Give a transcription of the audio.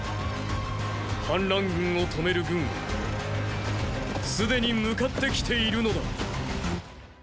反乱軍を止める軍はすでに向かって来ているのだ。